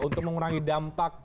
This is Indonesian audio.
untuk mengurangi dampak